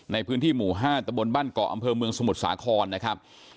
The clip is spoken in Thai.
ในพื้นที่หมู่๕ตะบนบ้านเกาะอำเภอเมืองสมุทรสาครนะครับ